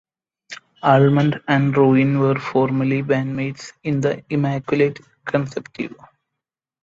Almond and Ruin were formerly bandmates in the Immaculate Consumptive.